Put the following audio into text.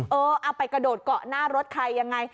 เอาไปกระโดดเกาะหน้ารถใครยังไง